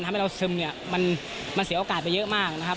ทำให้เราซึมเนี่ยมันเสียโอกาสไปเยอะมากนะครับ